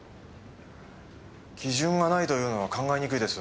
基準がないというのは考えにくいです。